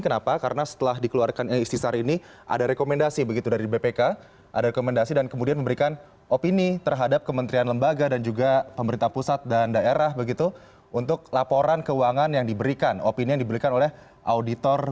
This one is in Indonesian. kenapa karena setelah dikeluarkan istisar ini ada rekomendasi begitu dari bpk ada rekomendasi dan kemudian memberikan opini terhadap kementerian lembaga dan juga pemerintah pusat dan daerah begitu untuk laporan keuangan yang diberikan opini yang diberikan oleh auditor